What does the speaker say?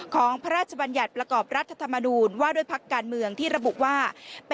พระราชบัญญัติประกอบรัฐธรรมนูญว่าด้วยพักการเมืองที่ระบุว่า